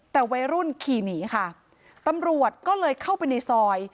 แต่วัยรุ่นขี่หนีค่ะตำรวจก็เลยเข้าไปในซอย